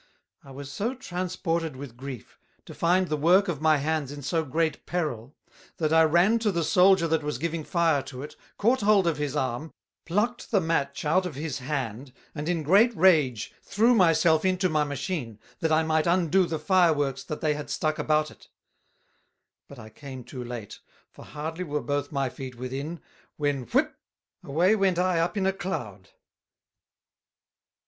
I was so transported with Grief, to find the Work of my Hands in so great Peril, that I ran to the Souldier that was giving Fire to it, caught hold of his Arm, pluckt the Match out of his Hand, and in great rage threw my self into my Machine, that I might undo the Fire Works that they had stuck about it; but I came too late, for hardly were both my Feet within, when whip, away went I up in a Cloud.